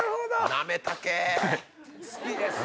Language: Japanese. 好きです！